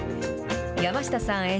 山下さん